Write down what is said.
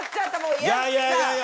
いやいやいやいや